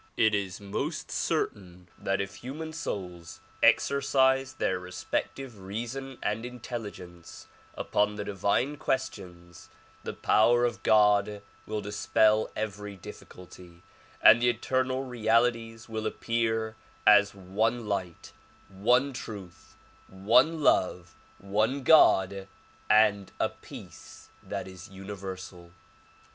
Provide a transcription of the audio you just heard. It is most certain that if human souls exercise their respective reason and intelligence upon the divine questions, the power of God will dispel every difficulty and the eternal realities will appear as one light, one truth, one love, one God and a peace that is universal.